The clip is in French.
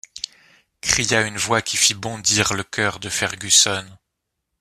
cria une voix qui fit bondir le cœur de Fergusson.